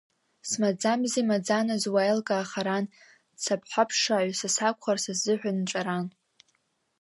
Смаӡамзи, маӡаназ уи аилкаа харан, цаԥхаԥшааҩ са сакәхар са сзыҳәа нҵәаран.